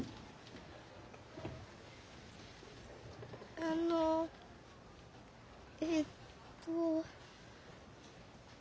あのえっと。